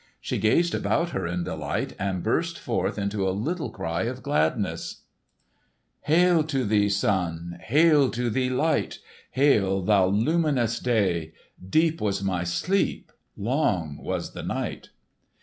She gazed about her in delight, and burst forth into a little cry of gladness: "Hail to thee, Sun, Hail to thee, Light, Hail, thou luminous Day! Deep was my sleep, Long was the night!"